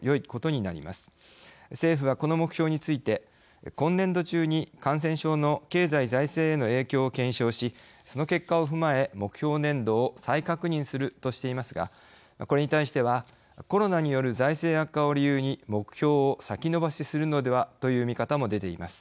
政府はこの目標について今年度中に感染症の経済財政への影響を検証しその結果を踏まえ目標年度を再確認するとしていますがこれに対してはコロナによる財政悪化を理由に目標を先延ばしするのではという見方も出ています。